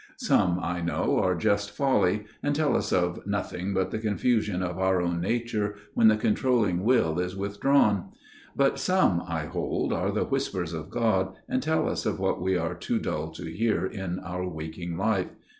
Some, I know, are just folly ; and tell us of nothing but the confusion of our own nature when the controlling will is withdrawn ; but some, I hold, are the whispers of God and tell us of what we are too dull to hear in our waking life.